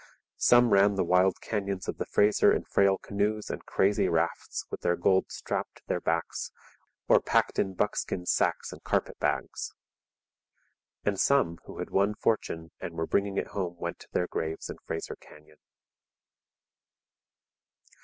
Some ran the wild canyons of the Fraser in frail canoes and crazy rafts with their gold strapped to their backs or packed in buckskin sacks and carpet bags. And some who had won fortune and were bringing it home went to their graves in Fraser Canyon.